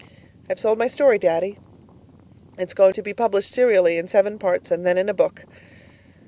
I've sold my story, Daddy. It's going to be published serially in seven parts, and then in a book!